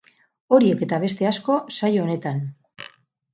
Horiek eta beste asko, saio honetan!